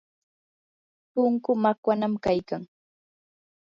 punkuu makwanam kaykan.